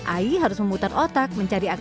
ayi harus memutar otak mencari masakan